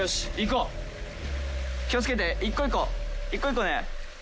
こう気をつけて一個一個一個一個ね・